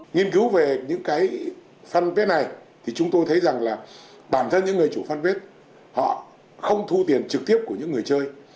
nghiên cứu về những cái fanpage này thì chúng tôi thấy rằng là bản thân những người chủ fanpage họ không thu tiền trực tiếp của những người chơi